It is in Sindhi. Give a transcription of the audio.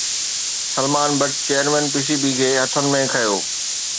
Salman Butt chairman P C B کي هٿن ۾ کنيو